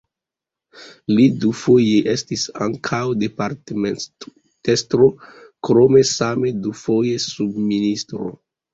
Li dufoje estis ankaŭ departementestro, krome same dufoje subministro.